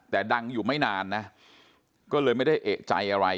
แต่ดังอยู่ไม่นานนะก็เลยไม่ได้เอกใจอะไร